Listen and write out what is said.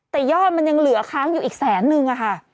แต่ยอดมันยังเหลือค้างอยู่อีกแสนนึงอะค่ะ